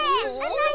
なに？